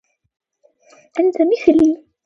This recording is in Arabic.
أنت مثلي.